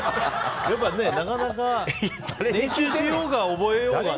なかなか練習しようが覚えようがね。